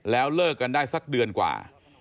แล้วเลิกกันได้สักเดือนกว่า